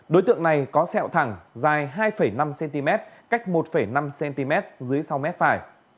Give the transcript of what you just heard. đối tượng này có sẹo thẳng dài hai năm cm cách một năm cm dưới sau mép phải